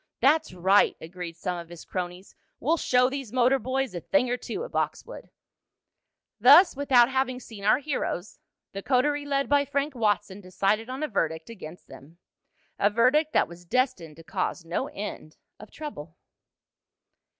"That's right!" agreed some of his cronies. "We'll show these motor boys a thing or two at Boxwood!" Thus, without having seen our heroes, the coterie led by Frank Watson decided on a verdict against them a verdict that was destined to cause no end of trouble.